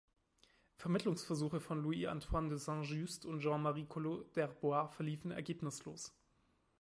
Vermittlungsversuche von Louis Antoine de Saint-Just und Jean-Marie Collot d’Herbois verliefen ergebnislos.